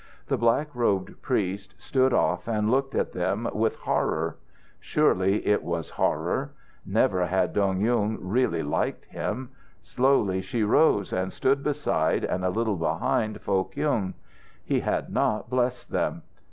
The black robed priest stood off and looked at them with horror. Surely it was horror! Never had Dong Yung really liked him. Slowly she rose, and stood beside and a little behind Foh Kyung. He had not blessed them.